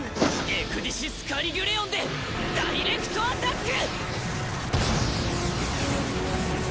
エクディシス・カリギュレオンでダイレクトアタック！